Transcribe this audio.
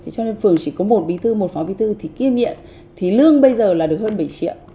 cho nên phường chỉ có một bí thư một phó bí thư thì kiêm nhiệm thì lương bây giờ là được hơn bảy triệu